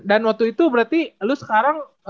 dan waktu itu berarti lo sekarang